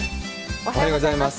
おはようございます。